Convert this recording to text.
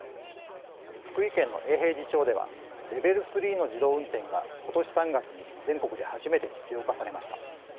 福井県の永平寺町ではレベル３の自動運転がことし３月に全国で初めて実用化されました。